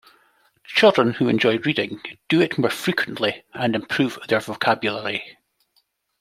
Children who enjoy reading do it more frequently and improve their vocabulary.